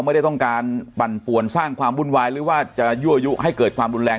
ไม่ได้ต้องการปั่นป่วนสร้างความวุ่นวายหรือว่าจะยั่วยุให้เกิดความรุนแรง